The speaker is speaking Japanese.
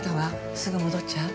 すぐ戻っちゃう？